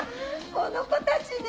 この子たちね！